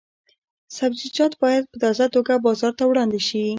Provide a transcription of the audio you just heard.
سبزیجات باید په تازه توګه بازار ته وړاندې شي.